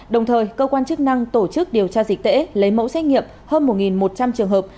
đồng thời cơ quan chức năng tổ chức điều tra dịch tễ lấy mẫu xét nghiệm hơn một một trăm linh trường hợp